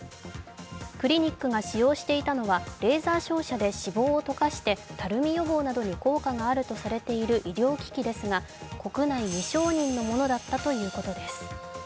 クリニックが使用していたのはレーザー照射で脂肪を溶かしてたるみ予防などに効果があるとされている医療機器ですが、国内未承認のものだったということです。